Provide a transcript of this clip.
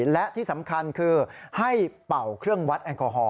และที่สำคัญคือให้เป่าเครื่องวัดแอลกอฮอล